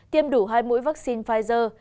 tiêm đủ hai mũi vaccine pfizer